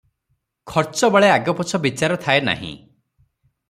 ଖର୍ଚ୍ଚବେଳେ ଆଗପଛ ବିଚାର ଥାଏ ନାହିଁ ।